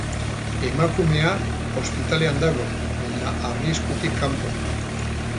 Emakumea ospitalean dago, baina arriskutik kanpo.